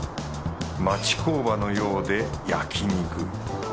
町工場のようで焼肉。